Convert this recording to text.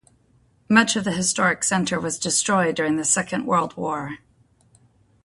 Much of the historic centre was destroyed during the Second World War.